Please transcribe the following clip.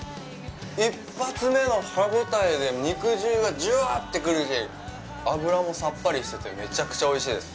一発目の歯応えで肉汁がじゅわて来るし、脂もさっぱりしててめちゃくちゃおいしいです。